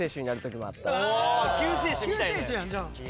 救世主やんじゃあ。